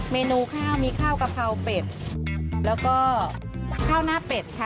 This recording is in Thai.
เมนูข้าวมีข้าวกะเพราเป็ดแล้วก็ข้าวหน้าเป็ดค่ะ